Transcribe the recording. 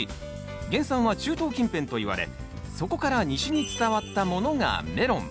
原産は中東近辺といわれそこから西に伝わったものがメロン。